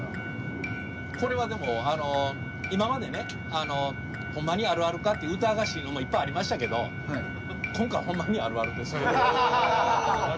これはでも今までねほんまにあるあるかって疑わしいのもいっぱいありましたけど今回ほんまにあるあるです。